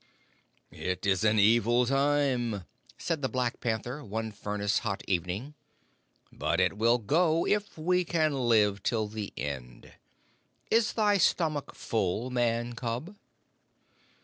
"It is an evil time," said the Black Panther, one furnace hot evening, "but it will go if we can live till the end. Is thy stomach full, Man cub?"